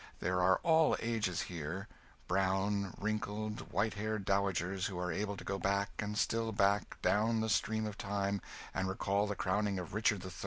There are all ages here: brown, wrinkled, white haired dowagers who are able to go back, and still back, down the stream of time, and recall the crowning of Richard III.